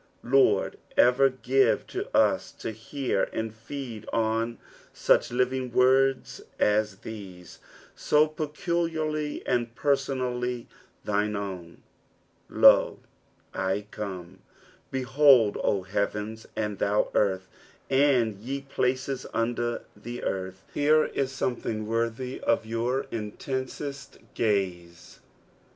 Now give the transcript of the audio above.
Liord, erer give us to hear and feed on such living words as these, so peculiarly and pentonall; thine own. "£0, / come." Behold, O heavens, and thou earth, and ;e places under the earth ! Here is someCbing northj of jour intensest gaze.